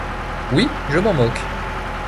Oui, je m’en moque !